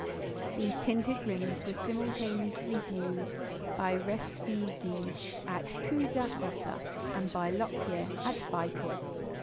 These tinted rings were simultaneously viewed by Respighi at Poodacottah, and by Lockyer at Baikul.